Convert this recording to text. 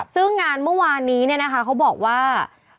ซึ่งงานเมื่อวานนี้เขาบอกว่า